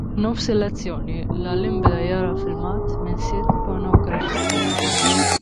F'nofs il-lezzjoni, l-għalliem beda jara filmat minn sit pornografiku.